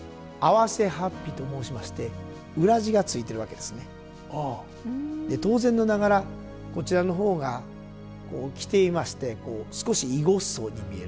で当然ながらこちらの方が着ていましてこう少しいごっそうに見える。